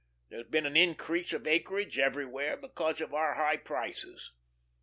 There's been an increase of acreage everywhere, because of our high prices.